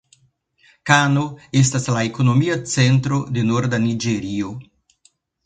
Kano estas la ekonomia centro de norda Niĝerio.